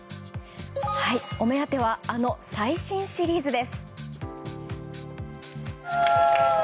お目当てはあの最新シリーズです。